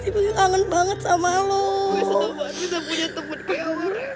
kita ya kita masih kangen banget sama lu baik banget re kita bakal kangen banget sama lu